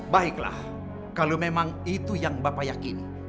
baiklah kalau memang itu yang bapak yakini